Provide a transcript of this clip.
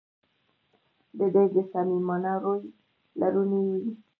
د ده د صمیمانه رویې لورونې وې.